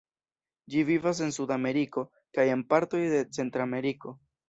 Ĝi vivas en Sudameriko, kaj en partoj de Centrameriko.